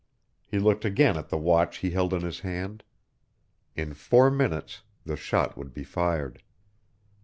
He looked again at the watch he held in his hand. In four minutes the shot would be fired.